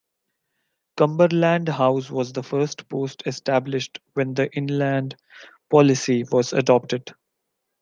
Cumberland House was the first post established when the inland policy was adopted.